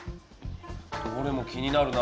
どれも気になるな。